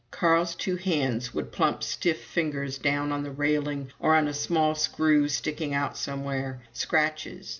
Carl's two hands would plump stiff, fingers down, on the railing, or on a small screw sticking out somewhere. Scratches.